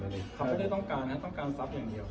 เขาไม่ได้ต้องการนะต้องการทรัพย์อย่างเดียว